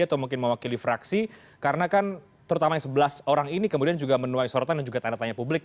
atau mungkin mewakili fraksi karena kan terutama yang sebelas orang ini kemudian juga menuai sorotan dan juga tanda tanya publik